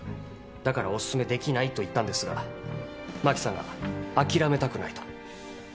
だからおすすめできないと言ったんですが真紀さんが諦めたくないと。